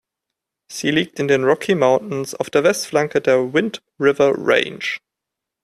Sie liegt in den Rocky Mountains auf der Westflanke der Wind River Range.